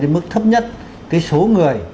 mức thấp nhất số người